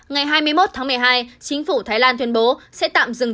ngày hai mươi một tháng một mươi hai chính phủ thái lan tuyên bố sẽ tạm dừng